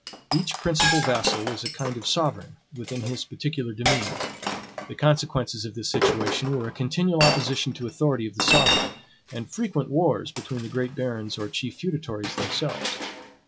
Each principal vassal was a kind of sovereign, within his particular demesnes. The consequences of this situation were a continual opposition to authority of the sovereign, and frequent wars between the great barons or chief feudatories themselves.